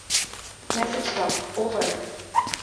Message দাও, over!